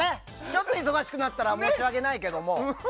ちょっと忙しくなったら申し訳ないけども。